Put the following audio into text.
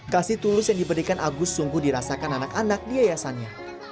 kasih tulus yang diberikan agus sungguh dirasakan anak anak di yayasannya